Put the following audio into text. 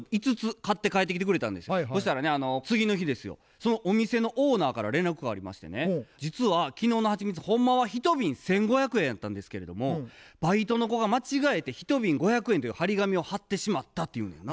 そのお店のオーナーから連絡がありましてね「実は昨日のはちみつほんまは１瓶１，５００円やったんですけれどもバイトの子が間違えて１瓶５００円っていう貼り紙を貼ってしまった」って言うのやな。